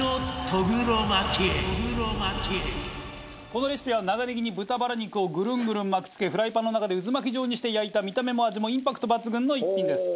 このレシピは長ネギに豚バラ肉をグルングルン巻き付けフライパンの中でうずまき状にして焼いた見た目も味もインパクト抜群の１品です。